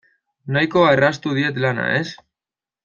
Nahiko erraztu diet lana, ez?